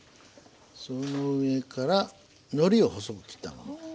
その上からのりを細く切ったもの。